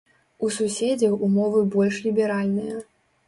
У суседзяў умовы больш ліберальныя.